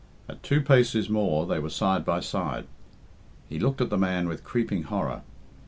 At two paces more they were side by side. He looked at the man with creeping horror.